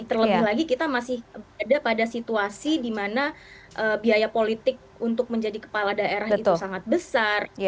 terlebih lagi kita masih berada pada situasi di mana biaya politik untuk menjadi kepala daerah itu sangat besar